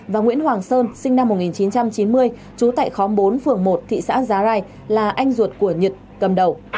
và nguyễn hoàng sơn sinh năm một nghìn chín trăm chín mươi trú tại khóm bốn phường một thị xã giá rai là anh ruột của nhật cầm đầu